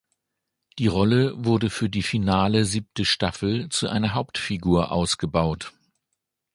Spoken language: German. Die Rolle wurde für die finale siebte Staffel zu einer Hauptfigur ausgebaut.